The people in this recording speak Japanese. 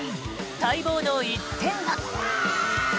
待望の１点が。